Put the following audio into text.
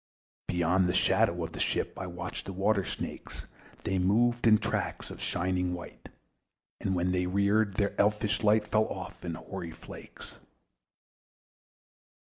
Beyond the shadow of the ship, I watched the water snakes: They moved in tracks of shining white, And when they reared, the elfish light Fell off in hoary flakes.